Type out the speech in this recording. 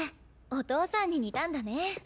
お父さんに似たんだね。